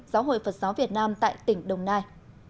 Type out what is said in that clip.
giáo hội phật giáo việt nam tại tỉnh đồng nai